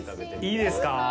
いいですか？